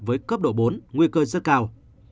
với cấp độ bốn nguy cơ rất cao